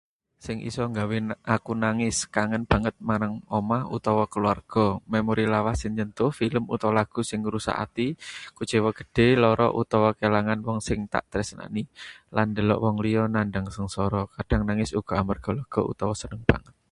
Sing iso nggawe aku nangis: kangen banget marang omah utawa kulawarga, memori lawas sing nyentuh, film utawa lagu sing ngrusak ati, kuciwa gedhe, lara utawa kelangan wong sing tak tresnani, lan ndelok wong liya nandhang sangsara. Kadhang nangis uga amarga lega utawa seneng banget.